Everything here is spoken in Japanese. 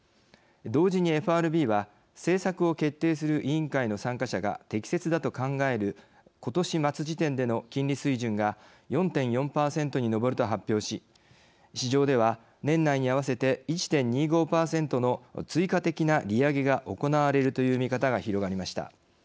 同時にＦＲＢは政策を決定する委員会の参加者が適切だと考える今年末時点での金利水準が４．４％に上ると発表し市場では年内に合わせて１．２５％の追加的な利上げが行われるという見方が広がりました。